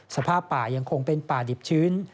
สภาพป่ายังคงเป็นป่าดิบชื้น